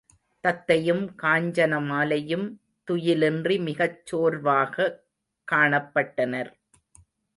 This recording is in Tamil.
தத்தையும் காஞ்சனமாலையும் துயிலின்றி மிகச் சோர்வாகக் காணப்பட்டனர்.